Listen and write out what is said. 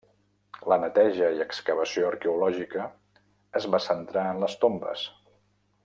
La neteja i excavació arqueològica es va centrar en les tombes.